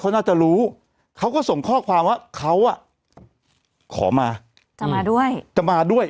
เขาน่าจะรู้เขาก็ส่งข้อความว่าเขาอ่ะขอมาจะมาด้วยจะมาด้วย